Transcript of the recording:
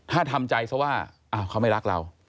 ถ้าทำใจซะว่าเขาไม่รักเรา